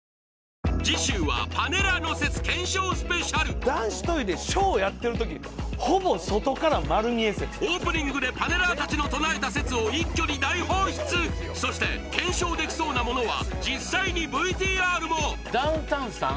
次週は男子トイレ小やってる時ほぼ外から丸見え説オープニングでパネラーたちの唱えた説を一挙に大放出そして検証できそうなものは実際にＶＴＲもダウンタウンさん